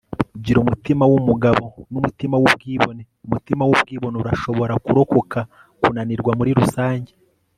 gira umutima wumugabo numutima wubwibone. umutima wubwibone urashobora kurokoka kunanirwa muri rusange